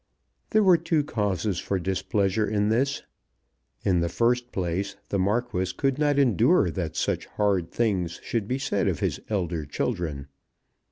There were two causes for displeasure in this. In the first place the Marquis could not endure that such hard things should be said of his elder children.